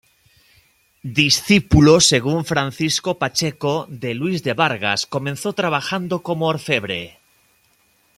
Discípulo, según Francisco Pacheco, de Luis de Vargas, comenzó trabajando como orfebre.